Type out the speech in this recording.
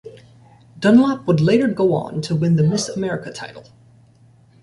Dunlap would later go on to win the Miss America title.